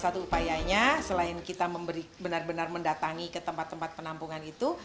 salah satu upayanya selain kita benar benar mendatangi ke tempat tempat penampungan itu